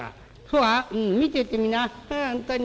「うん見てってみな本当に。